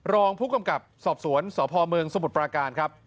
รองผู้กำกับสอบสวนสพเมืองสมุทรปราการครับ